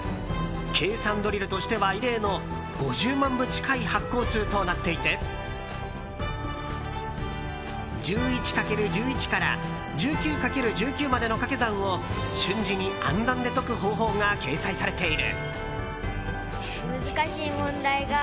計算ドリルとしては異例の５０万部近い発行数となっていて１１×１１から１９×１９までの掛け算を瞬時に暗算で解く方法が掲載されている。